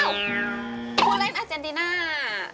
ผู้เล่นอาเจนติน่า